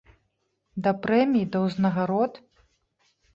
Да прэмій, да ўзнагарод?